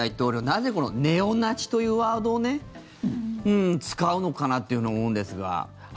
なぜネオナチというワードを使うのかなと思うんですが。